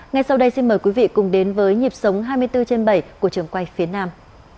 ngay sau đây xin mời quý vị cùng đến với nhịp sống hai mươi bốn trên bảy của trường quay phía nam